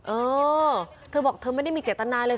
เออเธอบอกเธอไม่ได้มีเจตนาเลย